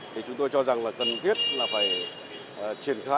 thì chúng tôi cho rằng là cần thiết là phải triển khai